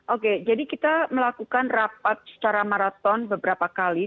oke jadi kita melakukan rapat secara maraton beberapa kali